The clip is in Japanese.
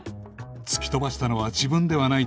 突き飛ばしたのは自分ではないと主張